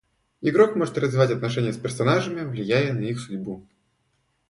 Игрок может развивать отношения с персонажами, влияя на их судьбу.